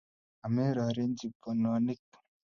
omerorichi bononik